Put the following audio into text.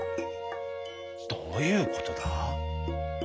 「どういうことだ？